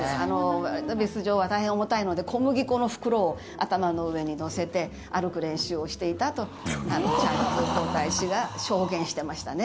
エリザベス女王は大変重たいので小麦粉の袋を頭の上に載せて歩く練習をしていたとチャールズ皇太子が証言してましたね。